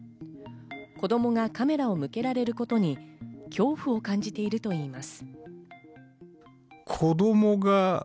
子供がカメラを向けられることに恐怖を感じているといいます。